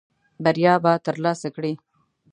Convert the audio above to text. بریا به ترلاسه کړې .